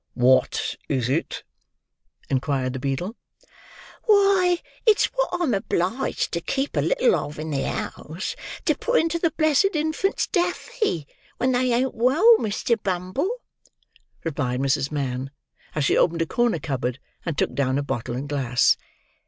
"What is it?" inquired the beadle. "Why, it's what I'm obliged to keep a little of in the house, to put into the blessed infants' Daffy, when they ain't well, Mr. Bumble," replied Mrs. Mann as she opened a corner cupboard, and took down a bottle and glass.